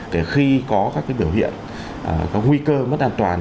để khi có các cái biểu hiện các nguy cơ mất an toàn